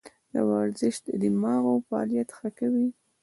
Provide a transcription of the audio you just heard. ورزش د دماغو فعالیت ښه کوي.